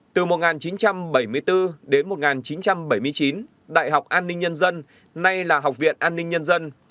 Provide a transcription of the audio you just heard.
từ một nghìn chín trăm bảy mươi bốn đến một nghìn chín trăm bảy mươi chín đại học an ninh nhân dân nay là học viện an ninh nhân dân